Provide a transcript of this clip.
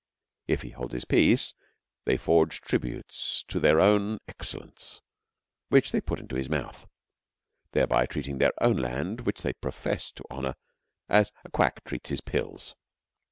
If he holds his peace, they forge tributes to their own excellence which they put into his mouth, thereby treating their own land which they profess to honour as a quack treats his pills.